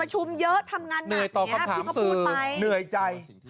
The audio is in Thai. เหนื่อยใจ